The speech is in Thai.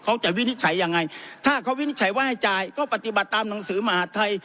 วินิจฉัยยังไงถ้าเขาวินิจฉัยว่าให้จ่ายก็ปฏิบัติตามหนังสือมหาดไทย